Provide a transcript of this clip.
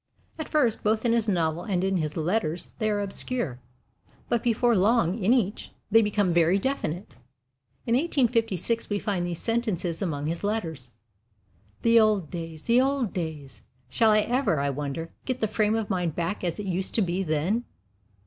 At first, both in his novel and in his letters, they are obscure; but before long, in each, they become very definite. In 1856, we find these sentences among his letters: The old days the old days! Shall I ever, I wonder, get the frame of mind back as it used to be then?